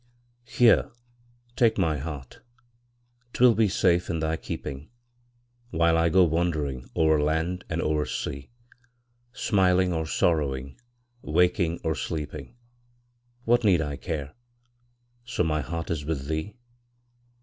Here, take my heart 'twill be safe in thy keeping, While I go wandering o'er land and o'er sea; Smiling or sorrowing, waking or sleeping, What need I care, so my heart is with thee?